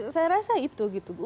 saya rasa itu gitu